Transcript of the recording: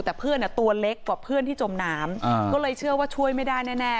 แต่เพื่อนตัวเล็กกว่าเพื่อนที่จมน้ำก็เลยเชื่อว่าช่วยไม่ได้แน่